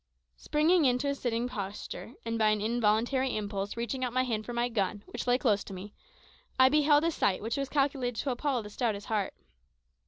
Springing into a sitting posture, and by an involuntary impulse reaching out my hand for my gun which lay close to me, I beheld a sight that was calculated to appal the stoutest heart.